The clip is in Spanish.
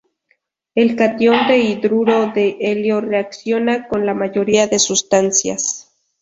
El catión de hidruro de helio reacciona con la mayoría de sustancias.